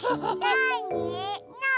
なに？